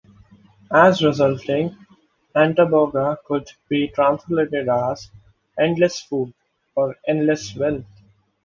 As resulting, Antaboga could be translated as "endless food" or "endless wealth".